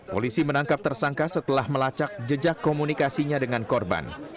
polisi menangkap tersangka setelah melacak jejak komunikasinya dengan korban